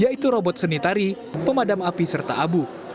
yaitu robot seni tari pemadam api serta abu